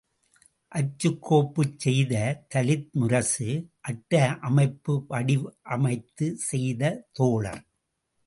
அச்சுக் கோப்புச் செய்த தலித் முரசு, அட்டை அமைப்பு வடிவமைத்த செய்த தோழர்.